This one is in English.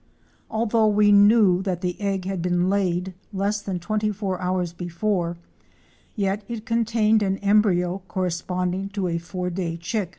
Al though we knew that the egg had been laid less than twenty four hours before, yet it contained an embryo corresponding to a four day chick.